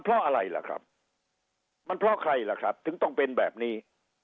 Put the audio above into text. เพราะอะไรล่ะครับมันเพราะใครล่ะครับถึงต้องเป็นแบบนี้